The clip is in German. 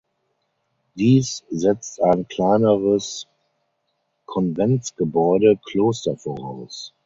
Dies setzt ein kleineres Konventsgebäude (Kloster) voraus.